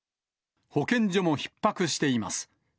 保健所もひっ迫しています。